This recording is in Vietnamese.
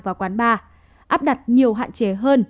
và quán bar áp đặt nhiều hạn chế hơn